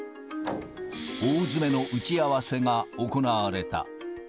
大詰めの打ち合わせが行われた。